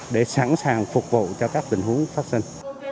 để sẵn sàng phục vụ cho các tình huống phát sinh